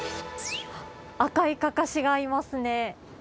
赤いかかしがいますね。